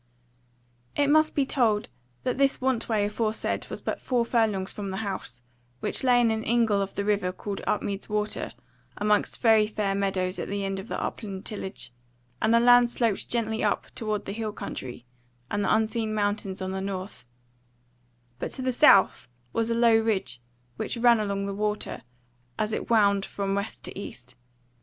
It must be told that this Want way aforesaid was but four furlongs from the House, which lay in an ingle of the river called Upmeads Water amongst very fair meadows at the end of the upland tillage; and the land sloped gently up toward the hill country and the unseen mountains on the north; but to the south was a low ridge which ran along the water, as it wound along from west to east.